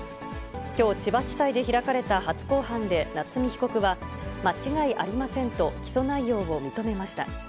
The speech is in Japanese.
きょう千葉地裁で開かれた初公判で夏見被告は、間違いありませんと起訴内容を認めました。